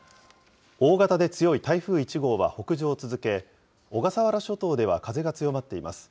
大型で強い台風１号は北上を続け、小笠原諸島では風が強まっています。